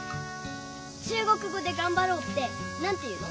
中国語で「がんばろう」ってなんて言うの？